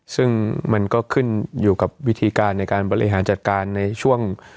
ซึ่งมันก็ขึ้นอยู่กับวิธีการในการบริหารจัดการในช่วง